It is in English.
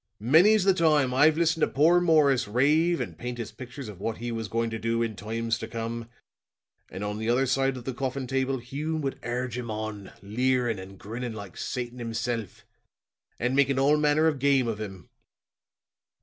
Many's the time I've listened to poor Morris rave and paint his pictures of what he was going to do in times to come; and on the other side of the coffin table, Hume would urge him on, leerin' and grinnin' like Satan himself, and making all manner of game of him.